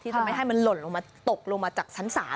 จะไม่ให้มันหล่นลงมาตกลงมาจากชั้นศาล